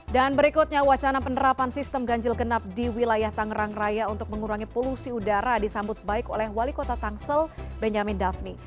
dan berikutnya wacana penerapan sistem ganjil kenap di wilayah tangerang raya untuk mengurangi polusi udara disambut baik oleh wali kota tangsel benjamin daphne